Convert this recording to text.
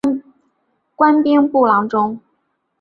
官兵部郎中。